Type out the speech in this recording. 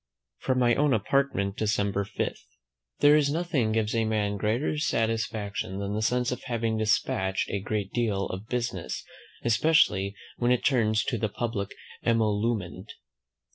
From my own Apartment, December 5. There is nothing gives a man greater satisfaction than the sense of having despatched a great deal of business, especially when it turns to the public emolument.